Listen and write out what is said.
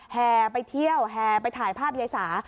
แห่ไปเที่ยวแห่ไปถ่ายภาพยายสา